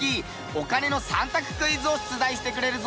お金の３択クイズを出題してくれるぞ。